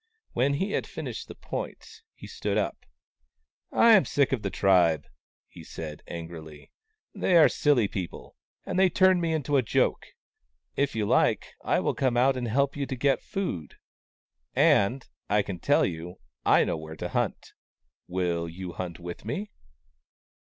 When he had finished the points, he stood up. " I am sick of the tribe," he said, angrily. " They are silly people, and they turn me into a joke. If you like, I will come out and help you to get food — and, I can tell you, I know where to hunt. Will you hunt with me